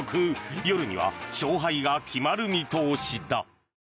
夜には勝敗が決まる見通しだ。